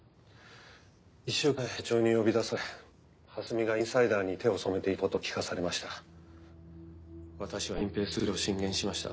１週間前社長に呼び出され蓮美がインサイダーに手を染めていたことを聞かされました。